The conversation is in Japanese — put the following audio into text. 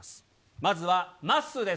まずは、まっすーです。